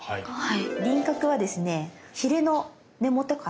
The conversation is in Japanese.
はい。